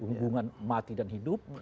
hubungan mati dan hidup